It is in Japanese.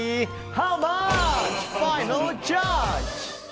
ハウマッチファイナルジャッジ。